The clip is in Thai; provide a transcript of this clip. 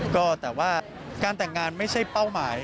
ก็แต่ว่าการแต่งงานไม่ใช่เป้าหมาย